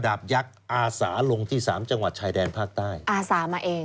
บยักษ์อาสาลงที่สามจังหวัดชายแดนภาคใต้อาสามาเอง